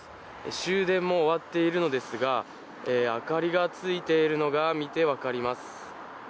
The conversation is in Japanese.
終電も終わっているのですが明かりがついているのが見てわかります。